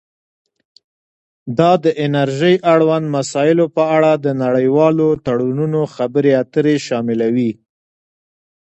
دا د انرژۍ اړوند مسایلو په اړه د نړیوالو تړونونو خبرې اترې شاملوي